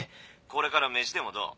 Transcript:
これから飯でもどう？